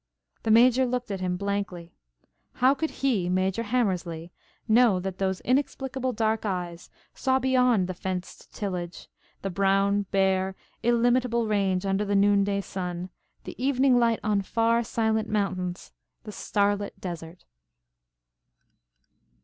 The Major looked at him blankly. How could he, Major Hammerslea, know what those inexplicable dark eyes saw beyond the fenced tillage the brown, bare, illimitable range under the noonday sun, the evening light on far, silent mountains, the starlit desert!